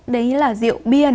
đấy là rượu bia